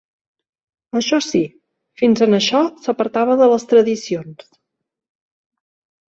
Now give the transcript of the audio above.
Això sí, fins en això s'apartava de les tradicions